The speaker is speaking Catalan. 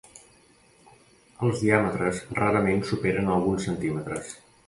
Els diàmetres rarament superen alguns centímetres.